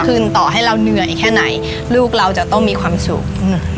ต่อให้เราเหนื่อยแค่ไหนลูกเราจะต้องมีความสุข